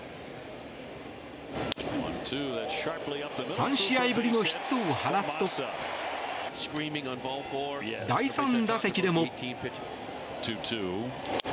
３試合ぶりのヒットを放つと第３打席でも。